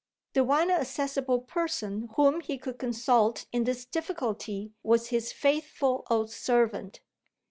The one accessible person whom he could consult in this difficulty was his faithful old servant.